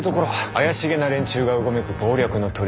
怪しげな連中がうごめく謀略の砦。